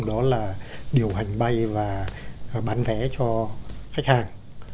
đó là điều hành bay và bán vé cho khách hàng